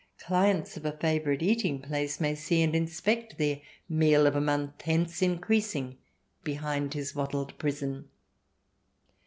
Clients of a favourite eating place may see and inspect their meal of a month hence increasing behind his wattled prison.